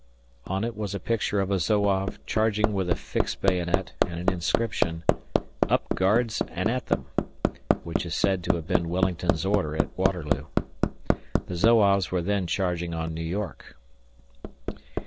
On it was a picture of a Zouave charging with a fixed bayonet and an inscription "Up guards and at them" which is said to have been Wellington's order at Waterloo. The Zouaves were then charging on New York.